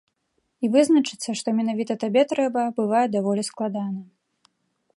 І вызначыцца, што менавіта табе трэба, бывае даволі складана.